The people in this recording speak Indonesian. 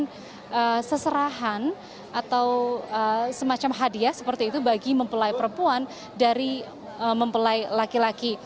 budi dalam prosesi ini akan diserahkan seserahan atau semacam hadiah seperti itu bagi mempelai perempuan dari mempelai laki laki